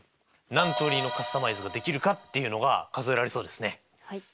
何通りのカスタマイズができるかっていうのが数えられそうですね。